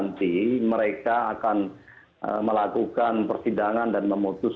ketika mereka akan melakukan persidangan di dalam kebencian